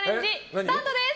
スタートです。